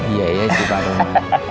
iya iya sih pak dorman